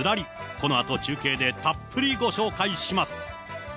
このあと中継でたっぷりご紹